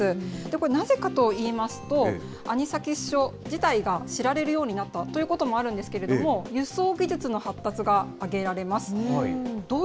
これ、なぜかといいますと、アニサキス症自体が知られるようになったということもあるんですけれども、輸送技術の発達が挙げられます。